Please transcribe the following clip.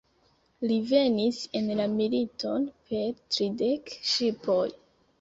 Li venis en la militon per tridek ŝipoj.